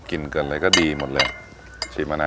กลิ่นเกินเลยมันดีหมดเลยชิมมานะ